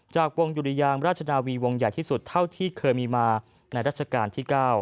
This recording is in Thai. จากวงดุริยางราชนาวีวงใหญ่ที่สุดเท่าที่เคยมีมาในรัชกาลที่๙